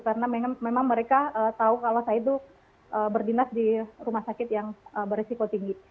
karena memang mereka tahu kalau saya itu berdinas di rumah sakit yang beresiko tinggi